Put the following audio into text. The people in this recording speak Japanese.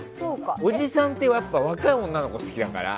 おじさんってやっぱり若い女の子が好きだから。